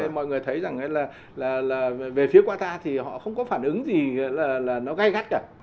mọi người thấy rằng là về phía qatar thì họ không có phản ứng gì là nó gây gắt cả